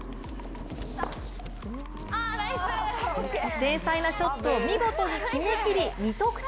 繊細なショットを見事に決めきり２得点。